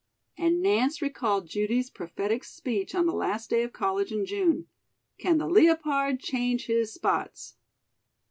And Nance recalled Judy's prophetic speech on the last day of college in June: "Can the le o pard change his spots?"